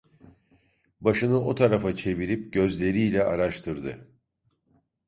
Başını o tarafa çevirip gözleriyle araştırdı.